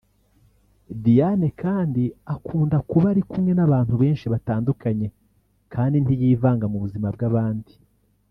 Diane kandi akunda kuba ari kumwe n’abantu benshi batandukanye kandi ntiyivanga mu buzima bw’abandi